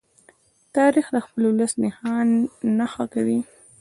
تاریخ د خپل ولس نښان نښه کوي.